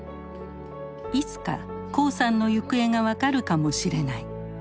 いつか黄さんの行方が分かるかもしれない。